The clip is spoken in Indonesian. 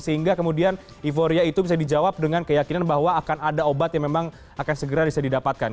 sehingga kemudian euforia itu bisa dijawab dengan keyakinan bahwa akan ada obat yang memang akan segera bisa didapatkan